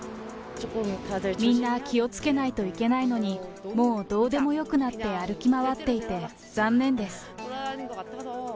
みんな気をつけないといけないのに、もうどうでもよくなって歩き回っていて、残念です。